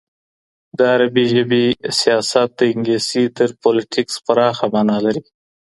د عربي ژبې سیاست د انګلیسي تر پولیټیکس پراخه مانا لري.